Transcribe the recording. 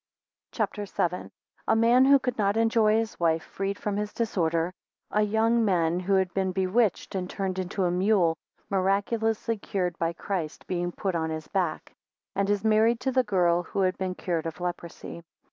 CHAPTER VII. 1 A man who could not enjoy his wife, freed from his disorder. 5 A young man who had been bewitched, and turned into a mule miraculously cured by Christ being put on his back, 28 and is married to the girl who had been cured of leprosy.